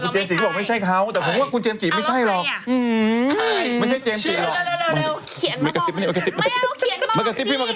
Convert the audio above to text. เจมส์ก็บอกไม่ใช่เขาแต่ผมว่าคุณเจมส์จีไม่ใช่หรอก